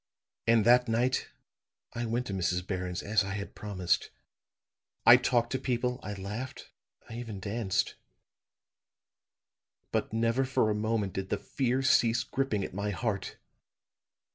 "And that night I went to Mrs. Barron's as I had promised. I talked to people I laughed I even danced. But never for a moment did the fear cease gripping at my heart.